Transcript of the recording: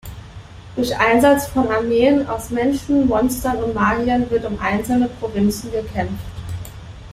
Durch Einsatz von Armeen aus Menschen, Monstern und Magiern wird um einzelne Provinzen gekämpft.